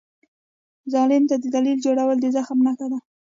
ظالم ته دلیل جوړول د زخم نښه ده.